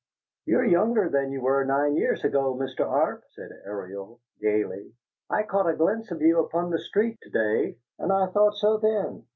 "You are younger than you were nine years ago, Mr. Arp," said Ariel, gayly. "I caught a glimpse of you upon the street, to day, and I thought so then.